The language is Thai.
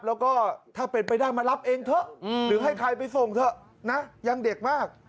แล้วก็ถ้าเป็นไปได้มารับเองเถอะหรือให้ใครไปส่งเถอะนะยังเด็กมาก